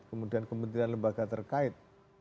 kemudian kementerian lembaga terkait